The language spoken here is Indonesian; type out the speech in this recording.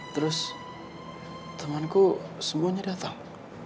terus temanku semuanya datang